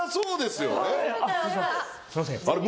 すいませんあれ？